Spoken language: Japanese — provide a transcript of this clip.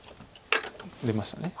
出ました。